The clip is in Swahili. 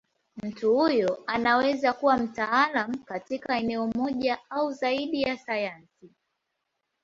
Mtu huyo anaweza kuwa mtaalamu katika eneo moja au zaidi ya sayansi.